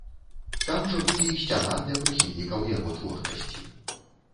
Там жа будзе і сцяна для прыхільнікаў яго творчасці.